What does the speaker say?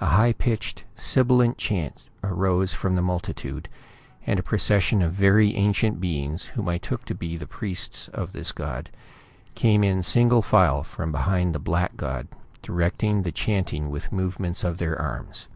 A high pitched, sibilant chant arose from the multitude, and a procession of very ancient beings, whom I took to be the priests of this god, came in single file from behind the black god, directing the chanting with movements of their arms.